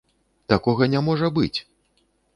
Такога не можа быць!